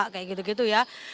kayak gitu gitu ya